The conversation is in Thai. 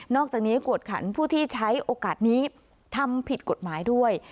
อกจากนี้กวดขันผู้ที่ใช้โอกาสนี้ทำผิดกฎหมายด้วย